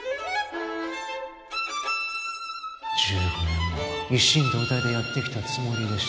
１５年も一心同体でやってきたつもりでした